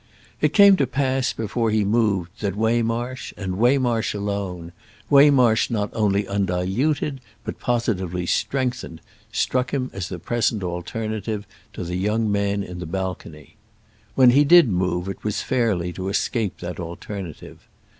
It came to pass before he moved that Waymarsh, and Waymarsh alone, Waymarsh not only undiluted but positively strengthened, struck him as the present alternative to the young man in the balcony. When he did move it was fairly to escape that alternative.